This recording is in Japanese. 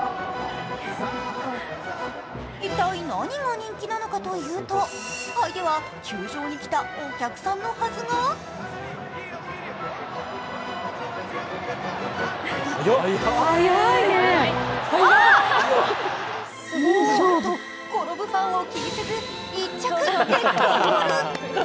一体、何が人気なのかというと相手は球場に来たお客さんのはずがなんと転ぶファンを気にせず、１着でゴール。